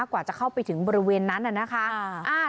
กว่าจะเข้าไปถึงบริเวณนั้นนะคะ